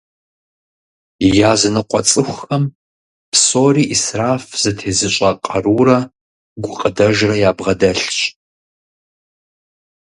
Языныкъуэ цӏыхухэм псори исраф зытезыщӏэ къарурэ гукъыдэжрэ ябгъэдэлъщ.